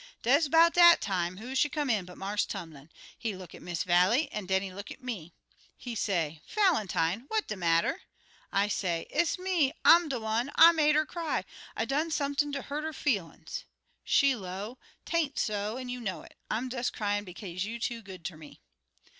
"Des 'bout dat time, who should come in but Marse Tumlin. He look at Miss Vallie an' den he look at me. He say, 'Valentine, what de matter?' I say, 'It's me! I'm de one! I made 'er cry. I done sump'n ter hurt 'er feelin's.' She low, ''Tain't so, an' you know it. I'm des cryin' bekaze you too good ter me.'